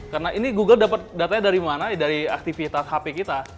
karena ini google dapat datanya dari mana dari aktivitas hp kita